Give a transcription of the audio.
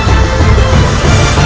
nah kudetec lho